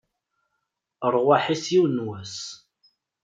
Rrwaḥ-is, yiwen n wass!